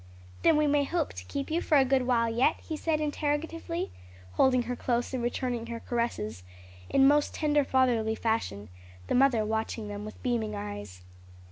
"Then we may hope to keep you for a good while yet?" he said interrogatively, holding her close and returning her caresses in most tender fatherly fashion, the mother watching them with beaming eyes.